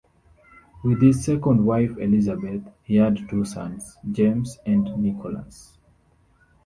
With his second wife, Elizabeth, he had two sons, James and Nicholas.